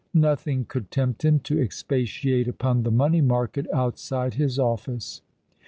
Nothing could tempt him to expatiate upon the money market outside his office.